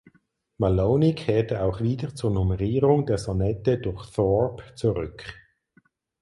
Malone kehrte auch wieder zur Nummerierung der Sonette durch Thorpe zurück.